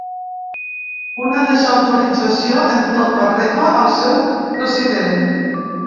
Una desautorització en tota regla al seu president.